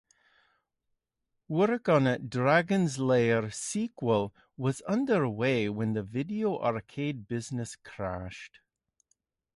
Work on a "Dragon's Lair" sequel was underway when the video arcade business crashed.